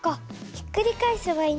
ひっくり返せばいいんだ。